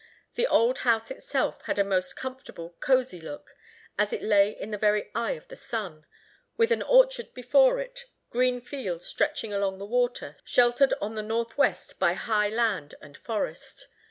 The old house itself had a most comfortable, cosy look, as it lay in the very eye of the sun, with an orchard before it, green fields stretching along the water, sheltered on the north west by high land and forest.